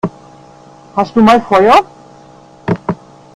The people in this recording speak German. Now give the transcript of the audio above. Hast du mal Feuer?